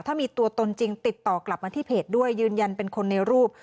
ถ้ามีตัวตนจริงติดต่อกลับมาที่เพจด้วยยืนยันเป็นคนในรูป